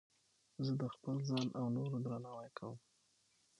زه د خپل ځان او نورو درناوی کوم.